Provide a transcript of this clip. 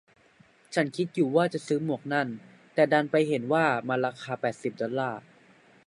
ฉันคิดอยู่ว่าจะซื้อหมวกนั่น แต่ดันไปเห็นว่ามันราคาแปดสิบดอลลาร์